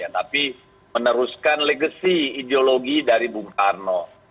tapi meneruskan legacy ideologi dari bung karno